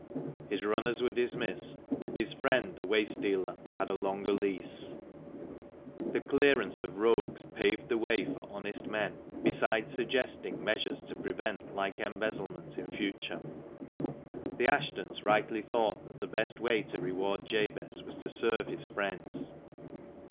His runners were dismissed, and his friend the waste dealer had a longer lease. The clearance of rogues paved the way for honest men, besides suggesting measures to prevent like embezzlement in future. The Ashtons rightly thought that the best way to reward Jabez was to serve his friends.